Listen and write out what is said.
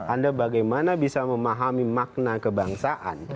anda bagaimana bisa memahami makna kebangsaan